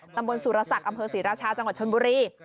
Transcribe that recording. ตำบลสุรศักดิ์อำเภอศรีราชาจังหวัดชนบุรี